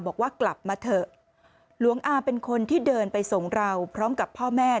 บอกว่ากลับมาเถอะหลวงอาเป็นคนที่เดินไปส่งเราพร้อมกับพ่อแม่